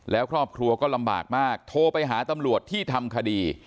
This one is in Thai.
แล้วครอบครัวก็ลำบากมากโทรไปหาตำรวจที่ทำคดี